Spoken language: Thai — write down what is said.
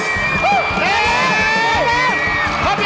หมดแล้ว